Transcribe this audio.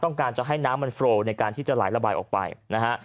ต้องการจะให้น้ำมันโฟลในการที่จะไหลระบายออกไปนะฮะ